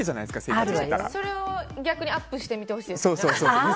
逆にそれをアップしてみてほしいですね。